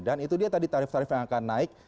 dan itu dia tadi tarif tarif yang akan naik